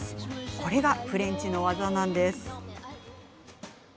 これがフレンチの技なんです。